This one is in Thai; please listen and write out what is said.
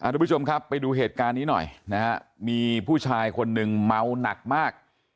ทุกผู้ชมครับไปดูเหตุการณ์นี้หน่อยนะฮะมีผู้ชายคนหนึ่งเมาหนักมาก